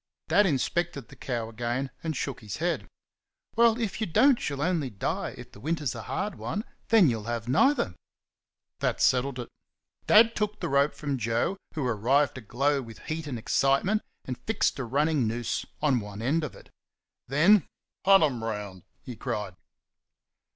Dad inspected the cow again, and shook his head. "Well, if you don't she'll only die, if the winter's a hard one; then you'll have neither." That settled it. Dad took the rope from Joe, who arrived aglow with heat and excitement, and fixed a running noose on one end of it. Then "Hunt 'em round!" he cried.